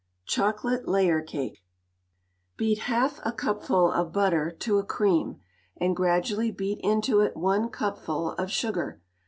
CHOCOLATE LAYER CAKE Beat half a cupful of butter to a cream, and gradually beat into it one cupful of sugar.